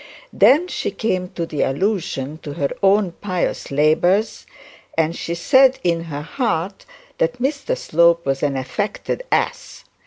Then she came to the allusion to her own pious labours, and she said in her heart that Mr Slope was an affected ass.